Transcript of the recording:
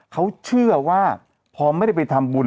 เขาเชื่อว่าพอไม่ได้ไปทำบุญ